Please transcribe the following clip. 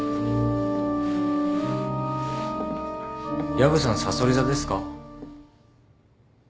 薮さんさそり座ですか？